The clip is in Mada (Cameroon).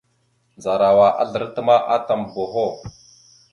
Ndzarawa azlərat ma atam boho.